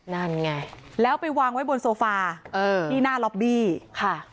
นั่นไงแล้วไปวางไว้บนโซฟาเออที่หน้าล็อบบี้ค่ะ